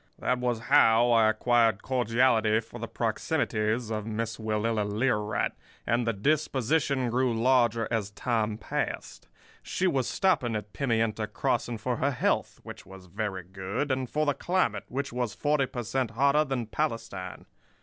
"That was how I acquired cordiality for the proximities of Miss Willella Learight; and the disposition grew larger as time passed. She was stopping at Pimienta Crossing for her health, which was very good, and for the climate, which was forty per cent. hotter than Palestine.